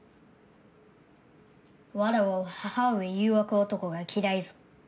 わらわは母上誘惑男が嫌いぞ。